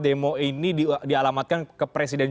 demo ini dialamatkan ke presiden